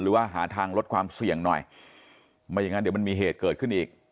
หรือว่าหาทางลดความเสี่ยงหน่อยไม่อย่างนั้นเดี๋ยวมันมีเหตุเกิดขึ้นอีก